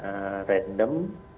karena ada eskalasi